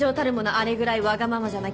あれぐらいわがままじゃなきゃ。